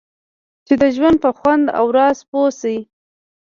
چې د ژوند په خوند او راز پوه شئ.